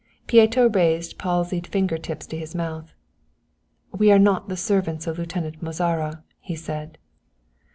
Pieto raised palsied finger tips to his mouth. "We are not the servants of Lieutenant Mozara," he said.